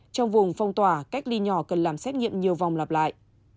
trong vùng phong tỏa cách ly nhỏ cần làm xét nghiệm nhiều vòng lặp lại